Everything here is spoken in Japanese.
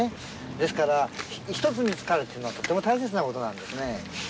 ですから一つ見つかるというのはとても大切なことなんですね。